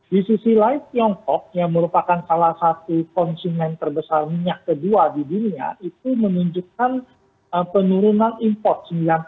di sisi lain tiongkok yang merupakan salah satu konsumen terbesar minyak kedua di dunia itu menunjukkan penurunan import